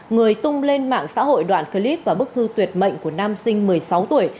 người tung lên mạng xã hội đoạn clip và bức thư tuyệt mệnh của nam sinh một mươi sáu tuổi